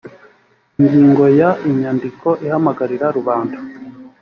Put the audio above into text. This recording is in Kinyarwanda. ingingo ya inyandiko ihamagarira rubanda